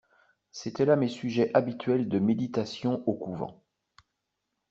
C'étaient là mes sujets habituels de méditations au couvent.